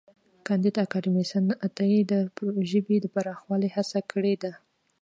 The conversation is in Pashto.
کانديد اکاډميسن عطايي د ژبې د پراخولو هڅه کړې ده.